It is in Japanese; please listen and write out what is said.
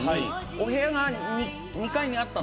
お部屋が２階にあったんですよ。